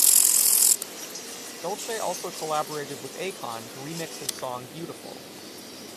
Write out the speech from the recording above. Dulce also collaborated with Akon, to remix his song Beautiful.